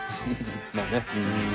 まあね。